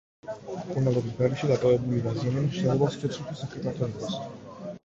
მკურნალობის გარეშე დატოვებული დაზიანება შესაძლოა სიცოცხლისთვის სახიფათო იყოს.